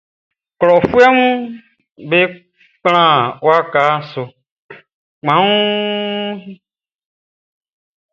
Klɔfuɛʼm be kplan waka su kpanwun.